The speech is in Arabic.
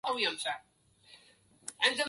يا خليلي إذا لم تنفعا